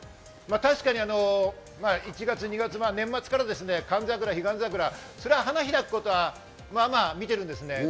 確かに１月、２月、年末からカンザクラ、ヒガンザクラ、花開くことはまあまあ見てるんですね。